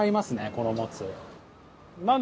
このもつ。